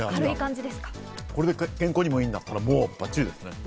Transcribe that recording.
これで健康にも良いんだったらバッチリです。